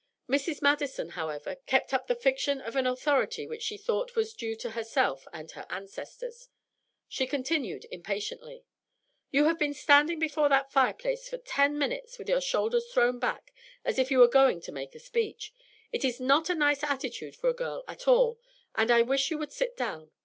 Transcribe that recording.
Mrs. Madison, however, kept up the fiction of an authority which she thought was due to herself and her ancestors. She continued impatiently, "You have been standing before that fireplace for ten minutes with your shoulders thrown back as if you were going to make a speech. It is not a nice attitude for a girl at all, and I wish you would sit down.